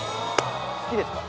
好きですか？